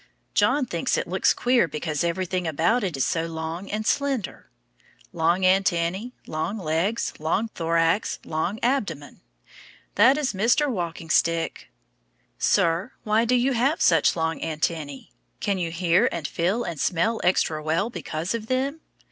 John thinks it looks queer because everything about it is so long and slender. Long antennæ, long legs, long thorax, long abdomen that is Mr. Walking Stick. Sir, why do you have such long antennæ? Can you hear and feel and smell extra well because of them?